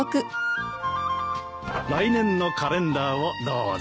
来年のカレンダーをどうぞ。